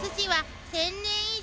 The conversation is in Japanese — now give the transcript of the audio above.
１，０００年以上。